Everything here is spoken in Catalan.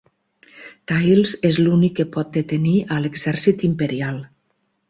Tails és l'únic que pot detenir a l'exèrcit imperial.